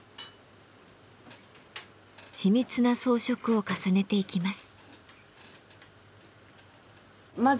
緻密な装飾を重ねていきます。